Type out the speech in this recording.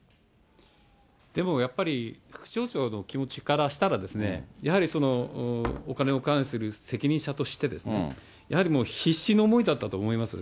でもやっぱり、副町長の気持ちからしたら、やはりお金を管理する責任者として、やっぱりもう必死の思いだったと思います。